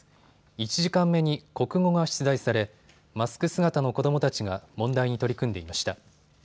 １時間目に国語が出題され、マスク姿の子どもたちが問題に取り組んでいました。